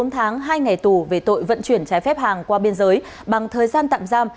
bốn tháng hai ngày tù về tội vận chuyển trái phép hàng qua biên giới bằng thời gian tạm giam